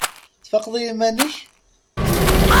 Tfaqeḍ i yiman-ik?